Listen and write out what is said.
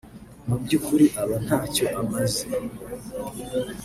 mu by’ukuri aba ntacyo amaze